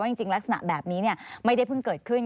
จริงลักษณะแบบนี้ไม่ได้เพิ่งเกิดขึ้น